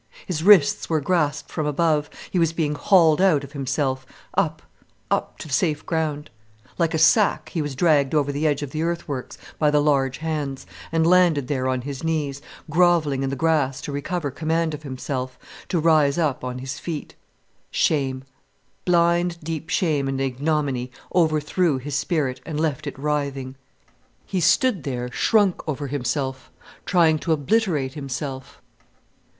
His wrists were grasped from above, he was being hauled out of himself up, up to the safe ground. Like a sack he was dragged over the edge of the earthworks by the large hands, and landed there on his knees, grovelling in the grass to recover command of himself, to rise up on his feet. Shame, blind, deep shame and ignominy overthrew his spirit and left it writhing. He stood there shrunk over himself, trying to obliterate himself.